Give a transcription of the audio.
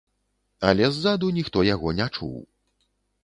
Але ззаду ніхто яго не чуў.